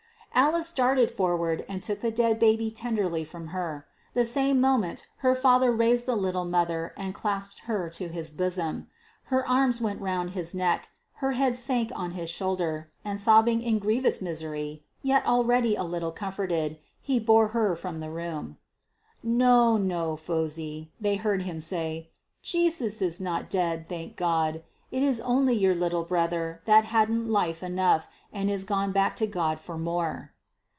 Alice darted forward and took the dead baby tenderly from her. The same moment her father raised the little mother and clasped her to his bosom. Her arms went round his neck, her head sank on his shoulder, and sobbing in grievous misery, yet already a little comforted, he bore her from the room. "No, no, Phosy!" they heard him say, "Jesus is not dead, thank God. It is only your little brother that hadn't life enough, and is gone back to God for more."